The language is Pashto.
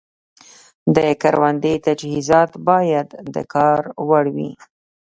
د کروندې تجهیزات باید د کار وړ وي.